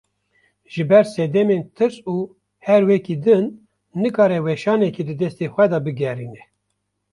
Ji ber sedemên tirs û herwekî din, nikare weşanekê di destê xwe de bigerîne